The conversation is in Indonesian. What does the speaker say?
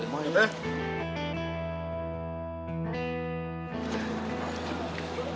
mau ya teteh